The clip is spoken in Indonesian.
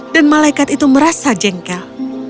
dan malaikat itu merasa jengkel